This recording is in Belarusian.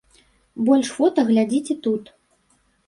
Больш фота глядзіце тут.